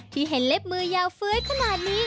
ที่เห็นเล็บมือยาวเฟ้ยขนาดนี้